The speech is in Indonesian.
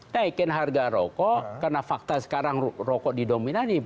naikin harga rokok karena fakta sekarang rokok didominasi